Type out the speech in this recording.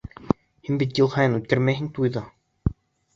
Һин бит йыл һайын үткәрмәйһең туйҙы!